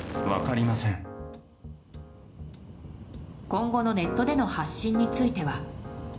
今後のネットでの発信については。